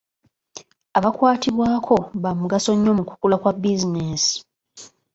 Abakwatibwako ba mugaso nnyo mu kukula kwa bizinensi.